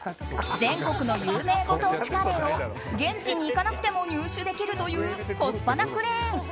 全国の有名ご当地カレーを現地に行かなくても入手できるというコスパなクレーン。